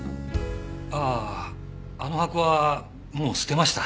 あああの箱はもう捨てました。